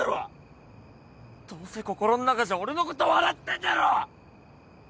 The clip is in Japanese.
どうせ心ん中じゃ俺のこと笑ってんだろ！